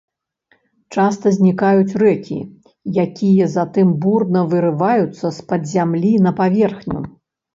Часта знікаюць рэкі, якія затым бурна вырываюцца з-пад зямлі на паверхню.